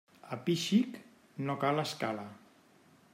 A pi xic no cal escala.